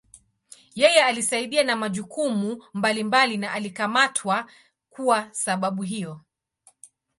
Yeye alisaidia na majukumu mbalimbali na alikamatwa kuwa sababu hiyo.